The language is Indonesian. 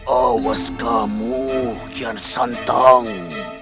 awas kamu kian santang